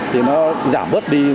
thì nó giảm bớt đi